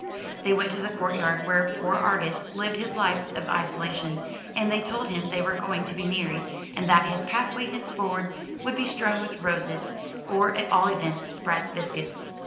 They went to the court yard where poor Argus lived his life of isolation, and they told him they were going to be married, and that his pathway henceforward would be strewn with roses, or at all events Spratt's biscuits.